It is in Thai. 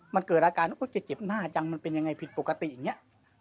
มันเกิดอาการว่าแกเจ็บหน้าจังมันเป็นยังไงผิดปกติอย่างนี้